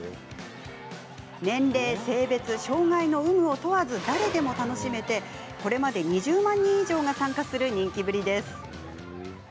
年齢、性別、障害の有無を問わず誰でも楽しめこれまで、２０万人以上が参加する人気ぶりです。